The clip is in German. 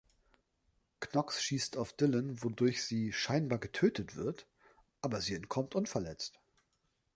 Knox schießt auf Dylan, wodurch sie scheinbar getötet wird, aber sie entkommt unverletzt.